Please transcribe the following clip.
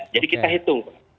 jadi kita hitung